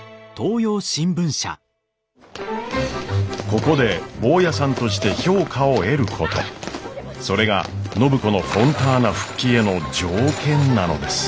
ここでボーヤさんとして評価を得ることそれが暢子のフォンターナ復帰への条件なのです。